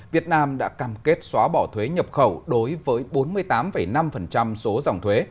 việt nam đã cam kết xóa bỏ thuế nhập khẩu đối với bốn mươi tám năm số dòng thuế